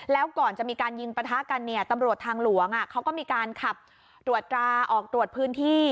แล้วก่อนจะมีการยิงปะทะกันเนี่ยตำรวจทางหลวงเขาก็มีการขับตรวจตราออกตรวจพื้นที่